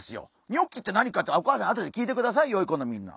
ニョッキって何かってお母さんにあとで聞いてくださいよい子のみんな。